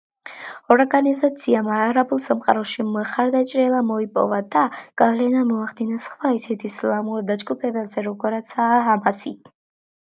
ორგანიზაციამ არაბულ სამყაროში მხარდამჭერები მოიპოვა და გავლენა მოახდინა სხვა ისეთ ისლამურ დაჯგუფებებზე როგორიცაა ჰამასი.